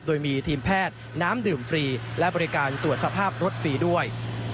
โดยมีทีมแพทย์น้ำดื่มฟรีและบริการตรวจสภาพรถฟรีด้วย